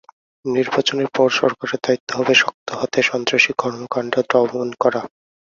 নির্বাচনের পর সরকারের দায়িত্ব হবে শক্ত হাতে সন্ত্রাসী কর্মকাণ্ড দমন করা।